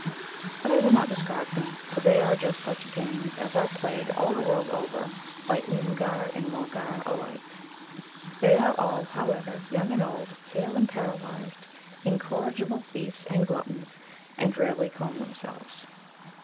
But I will not describe them, for they are just such games as are played all the world over by Oomgar and Mulgar alike. They are all, however, young and old, hale and paralysed, incorrigible thieves and gluttons, and rarely comb themselves.